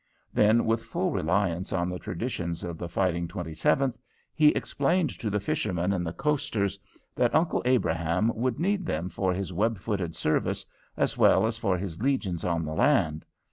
Then with full reliance on the traditions of the "Fighting Twenty seventh," he explained to the fishermen and the coasters that Uncle Abraham would need them for his web footed service, as well as for his legions on the land.